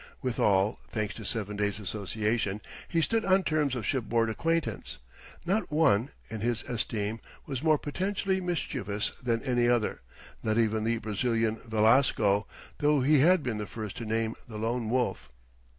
With all, thanks to seven days' association, he stood on terms of shipboard acquaintance. Not one, in his esteem, was more potentially mischievous than any other not even the Brazilian Velasco, though he had been the first to name the Lone Wolf.